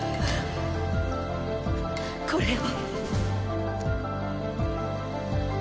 これを。